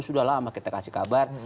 sudah lama kita kasih kabar